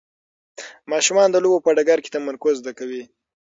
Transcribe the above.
ماشومان د لوبو په ډګر کې تمرکز زده کوي.